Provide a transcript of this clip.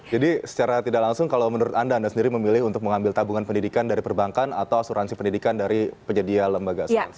jadi secara tidak langsung kalau menurut anda anda sendiri memilih untuk mengambil tabungan pendidikan dari perbankan atau asuransi pendidikan dari penyedia lembaga asuransi itu